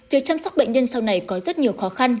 việc chăm sóc bệnh nhân sau này có rất nhiều khó khăn